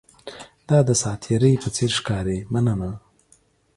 دا د ساتیرۍ په څیر ښکاري، مننه!